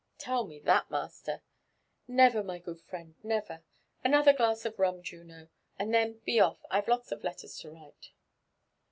Tell me that, master." »" Never, my good friend — never. Another glass of rum, Juno, and then be off — I've lots of lellers (o write."